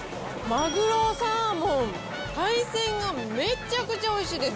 マグロ、サーモン、海鮮がめちゃくちゃおいしいです。